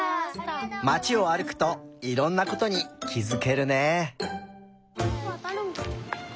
まちをあるくといろんなことにきづけるね。